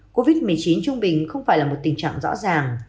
covid một mươi chín trung bình không phải là một tình trạng rõ ràng